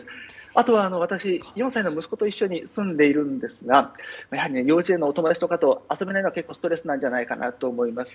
あとは私、４歳の息子と一緒に住んでいるんですがやはり幼稚園のお友達とかと遊べないのは結構、ストレスなんじゃないかなと思います。